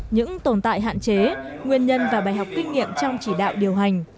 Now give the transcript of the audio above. những tồn tại hạn chế nguyên nhân và bài học kinh nghiệm trong chỉ đạo điều hành